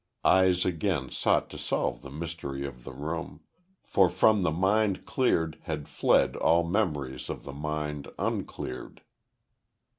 Eyes again sought to solve the mystery of the room; for from the mind cleared had fled all memories of the mind uncleared.